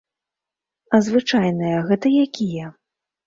А звычайныя, гэта якія?